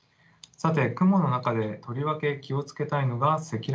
さて雲の中でとりわけ気を付けたいのが積乱雲です。